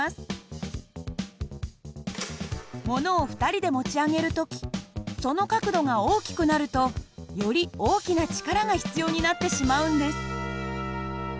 ものを２人で持ち上げる時その角度が大きくなるとより大きな力が必要になってしまうんです。